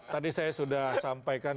tadi saya sudah sampaikan